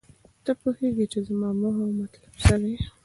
ته پوهیږې چې زما موخه او مطلب څه دی